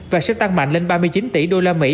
và sẽ tăng mạnh lên ba mươi chín tỷ đô la mỹ